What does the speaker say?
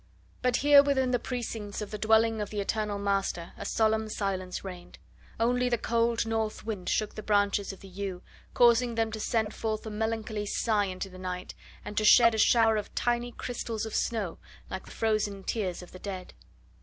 But here within the precincts of the dwelling of the eternal Master a solemn silence reigned; only the cold north wind shook the branches of the yew, causing them to send forth a melancholy sigh into the night, and to shed a shower of tiny crystals of snow like the frozen tears of the dead.